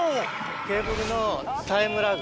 ケーブルのタイムラグ。